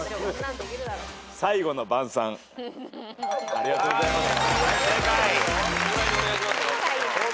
ありがとうございます。